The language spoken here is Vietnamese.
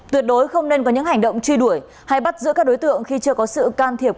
tuyệt đối không nên có những hành động truy đuổi hay bắt giữ các đối tượng khi chưa có sự can thiệp